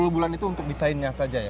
sepuluh bulan itu untuk desainnya saja ya